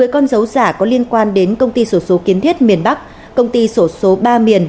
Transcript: một mươi con dấu giả có liên quan đến công ty sổ số kiến thiết miền bắc công ty sổ số ba miền